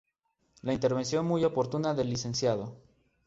La intervención muy oportuna del Lic.